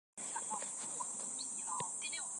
瓜拉廷加是巴西巴伊亚州的一个市镇。